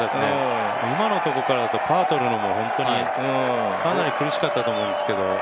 今のところからだとパーを取るのもかなり苦しかったと思うんですけど。